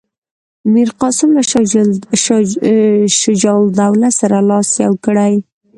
میرقاسم له شجاع الدوله سره لاس یو کړی.